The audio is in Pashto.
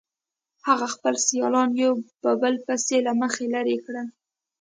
هغه خپل سیالان یو په بل پسې له مخې لرې کړل